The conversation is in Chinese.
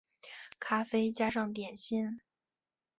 咖啡加上点心